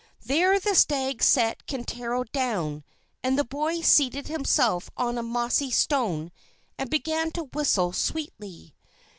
There the stag set Kintaro down; and the boy seated himself on a mossy stone, and began to whistle sweetly.